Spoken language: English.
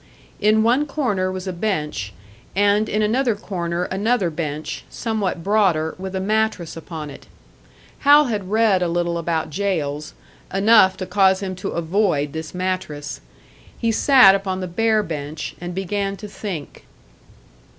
In one corner was a bench, and in another corner another bench, somewhat broader, with a mattress upon it. Hal had read a little about jails enough to cause him to avoid this mattress. He sat upon the bare bench, and began to think.